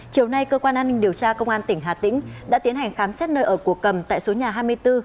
chiều nay cơ quan an ninh điều tra công an tỉnh hà tĩnh đã tiến hành khám xét nơi ở của cầm tại số nhà hai mươi bốn